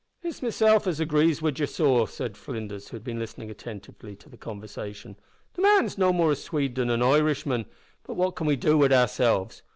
"It's mesilf as agrees wid ye, sor," said Flinders, who had been listening attentively to the conversation. "The man's no more a Swede than an Irishman, but what can we do wid oursilves!